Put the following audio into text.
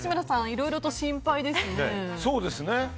いろいろと心配ですね。